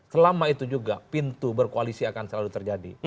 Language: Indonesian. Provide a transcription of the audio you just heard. selama itu juga pintu berkoalisi akan selalu terjadi